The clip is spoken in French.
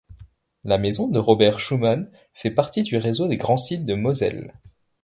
La maison de Robert Schuman fait partie du réseau des Grands Sites de Moselle.